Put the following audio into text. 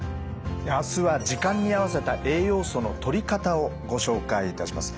明日は時間に合わせた栄養素のとり方をご紹介いたします。